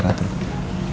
nanti aku mau makan